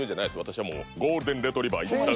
私はもうゴールデンレトリバー一択。